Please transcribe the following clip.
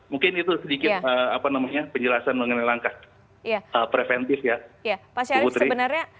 mungkin itu sedikit penjelasan mengenai langkah preventif ya putri